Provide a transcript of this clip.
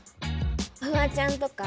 フワちゃんとか。